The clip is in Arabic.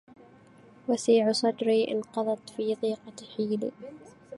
وسيع صدري انقضت في ضيقه حيلي